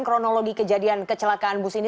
kronologi kejadian kecelakaan bus ini